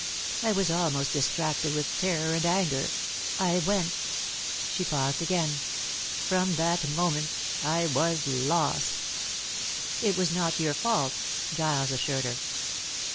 I was almost distracted with terror and anger. I went." She paused again. "From that moment I was lost." "It was not your fault," Giles assured her.